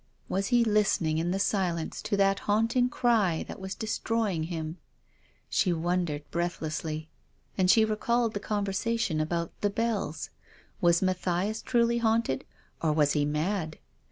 Was he listening in the silence to that haunting cry that was destroying him ? She wondered breathlessly. And she recalled the conversation about " The Bells." Was Mathias truly haunted? or was he mad?